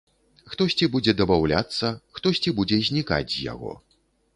Хтосьці будзе дабаўляцца, хтосьці будзе знікаць з яго.